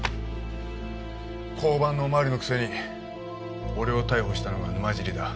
交番のおまわりのくせに俺を逮捕したのが沼尻だ。